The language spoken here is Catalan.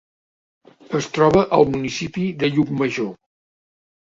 Es troba al municipi de Llucmajor.